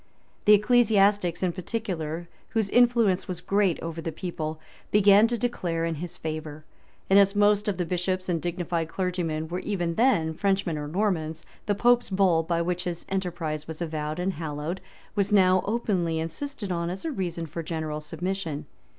The ecclesiastics in particular, whose influence was great over the people began to declare in his favor; and as most of the bishops and dignified clergymen were even then Frenchmen or Normans, the pope's bull, by which his enterprise was avowed and hallowed, was now openly insisted on as a reason for general submission.